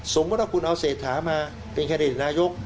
สมมุติว่าคุณเอาเศรษฐามาเป็นแคนดิเดตนายก